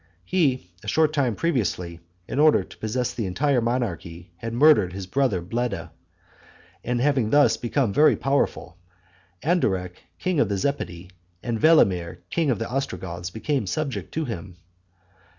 He, a short time previously, in order to possess the entire monarchy, had murdered his brother Bleda; and having thus become very powerful, Andaric, king of the Zepidi, and Velamir, king of the Ostrogoths, became subject to him.